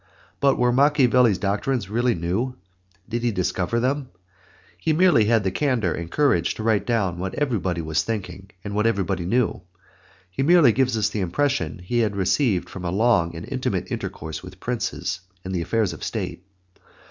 But were Machiavelli's doctrines really new? Did he discover them? He merely had the candor and courage to write down what everybody was thinking and what everybody knew. He merely gives us the impressions he had received from a long and intimate intercourse with princes and the affairs of state.